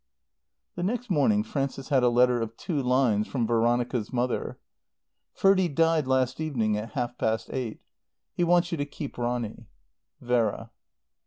The next morning Frances had a letter of two lines from Veronica's mother: "Ferdie died last evening at half past eight. "He wants you to keep Ronny. "VERA."